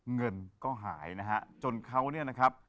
เงินก็หายนะฮะจนเขาเนี่ยนะครับ